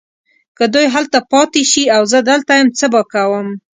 که دوی هلته پاته شي او زه دلته یم څه به کوم؟